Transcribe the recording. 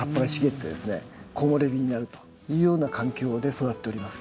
木漏れ日になるというような環境で育っております。